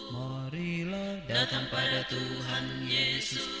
marilah datang pada tuhan yesus